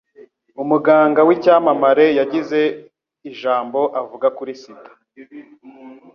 Umuganga w'icyamamare yagize ijambo avuga kuri sida.